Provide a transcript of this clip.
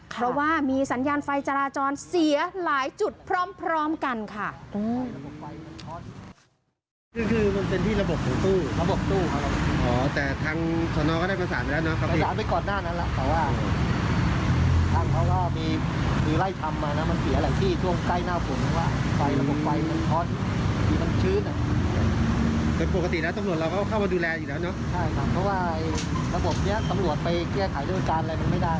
เพราะว่ามีสัญญาณไฟจราจรเสียหลายจุดพร้อมกันค่ะ